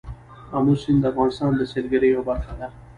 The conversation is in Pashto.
آمو سیند د افغانستان د سیلګرۍ یوه برخه ده.